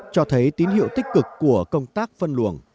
cho thấy tín hiệu tích cực của công tác phân luồng